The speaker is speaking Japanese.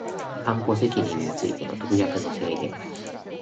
担保責任についての特約の制限